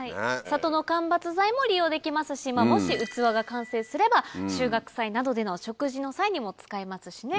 里の間伐材も利用できますしもし器が完成すれば収穫祭などでの食事の際にも使えますしね。